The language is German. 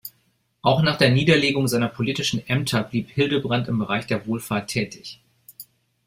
Auch nach der Niederlegung seiner politischen Ämter blieb Hildebrand im Bereich der Wohlfahrt tätig.